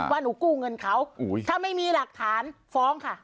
ว่าหนูกู้เงินเขาถ้าไม่มีหลักฐานฟ้องค่ะ